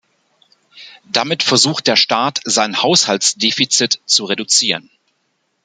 Damit versucht der Staat sein Haushaltsdefizit zu reduzieren.